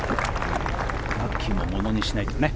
ラッキーもものにしないとね。